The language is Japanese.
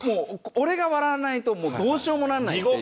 俺が笑わないともうどうしようもならないっていう。